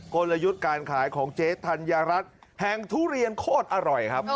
กลยุทธ์การขายของเจ๊ธัญญารัฐแห่งทุเรียนโคตรอร่อยครับ